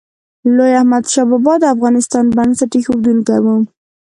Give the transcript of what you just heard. لوی احمدشاه بابا د افغانستان بنسټ ایښودونکی و.